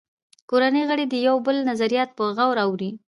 کورنۍ غړي د یو بل نظریات په غور اوري